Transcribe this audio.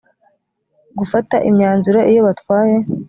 gufata imyanzuro iyo batwaye